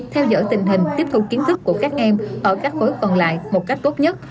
theo dõi tình hình tiếp thu kiến thức của các em ở các khối còn lại một cách tốt nhất